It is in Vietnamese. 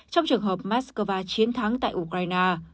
trong trường hợp moscow chiến thắng tại ukraine